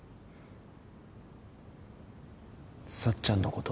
さっちゃんのこと。